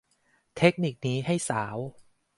เทคนิคนี้ให้สาว